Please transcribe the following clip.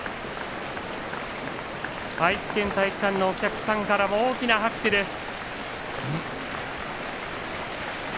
愛知県体育館のお客さんからも大きな拍手です。